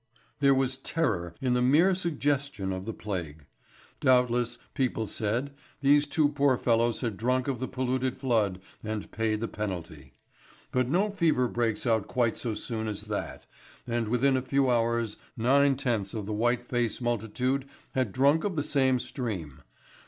There was terror in the mere suggestion of the plague. Doubtless, people said, these two poor fellows had drunk of the polluted flood and paid the penalty. But no fever breaks out quite so soon as that and within a few hours nine tenths of the white face multitude had drunk of the same stream.